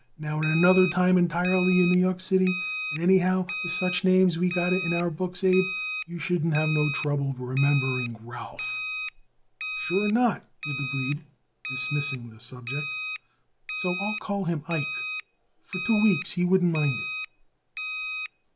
Now is another time entirely in New York City; and anyhow, with such names what we got it in our books, Abe, you shouldn't have no trouble remembering Ralph." "Sure not," Abe agreed, dismissing the subject. "So, I'll call him Ike. For two weeks he wouldn't mind it."